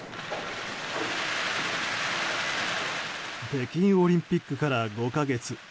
北京オリンピックから５か月。